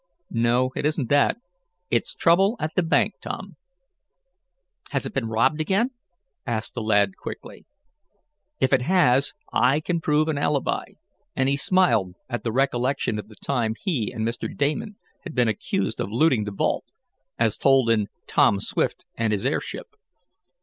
"No, it isn't that. It's trouble at the bank, Tom." "Has it been robbed again?" asked the lad quickly. "If it has I can prove an alibi," and he smiled at the recollection of the time he and Mr. Damon had been accused of looting the vault, as told in "Tom Swift and His Airship."